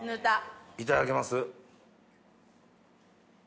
いただきます。